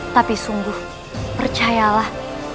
tapi sungguh percayalah